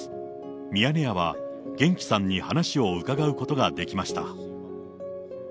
ミヤネ屋は、げんきさんに話を伺うことができました。